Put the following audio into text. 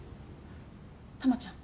珠ちゃん